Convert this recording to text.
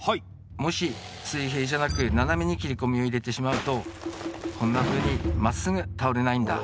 もし水平じゃなく斜めに切り込みを入れてしまうとこんなふうにまっすぐ倒れないんだ。